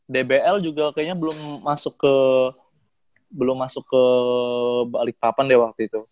dbl juga kayaknya belum masuk ke balikpapan deh waktu itu